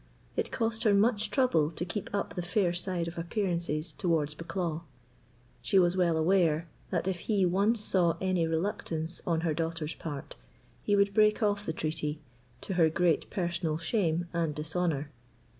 It cost her much trouble to keep up the fair side of appearances towards Bucklaw. She was well aware, that if he once saw any reluctance on her daughter's part, he would break off the treaty, to her great personal shame and dishonour.